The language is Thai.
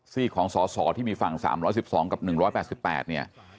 ซีกของสสที่มีฝั่ง๓๑๒กับ๑๘๘เนี่ย